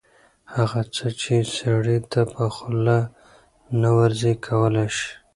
هغه څه چې سړي ته په خوله نه ورځي کولی شي